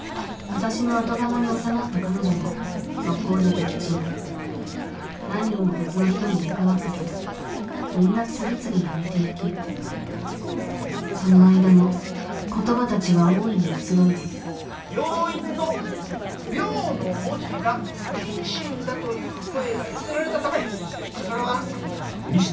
私の後釜に収まった彼女も速攻で撃沈何人も別の人に入れ替わったけどみんな次々辞めて行きその間も言葉たちは大いに移ろいで「病院」の「病」の文字が不謹慎だという声が寄せられたためこれからは。